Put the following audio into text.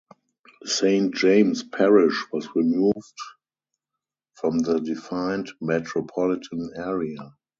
Saint James Parish was removed from the defined metropolitan area.